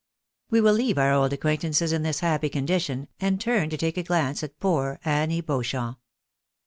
We will leave our old acquaintances in this happy condition, and turn to take a glance at poor Annie Beauchamp.